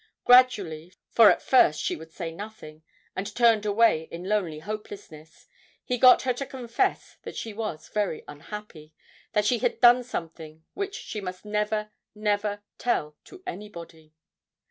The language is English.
Gradually, for at first she would say nothing, and turned away in lonely hopelessness, he got her to confess that she was very unhappy; that she had done something which she must never, never tell to anybody.